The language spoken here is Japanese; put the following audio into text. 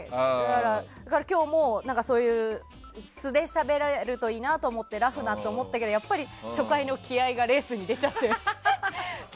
だから今日もそういう素でしゃべれるといいなと思ってラフだって思ったけど初回の気合がレースに出ちゃって。